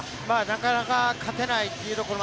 なかなか勝てないところ